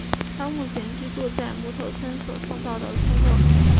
他目前居住在木头村所创造的村落。